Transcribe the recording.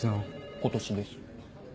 今年です。